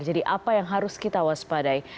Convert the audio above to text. jadi apa yang harus kita waspadai